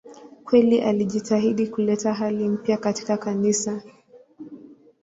Kweli alijitahidi kuleta hali mpya katika Kanisa.